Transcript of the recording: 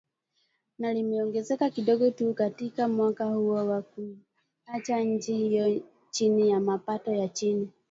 Na limeongezeka kidogo tu katika mwaka huo, na kuiacha nchi hiyo chini ya mapato ya chini.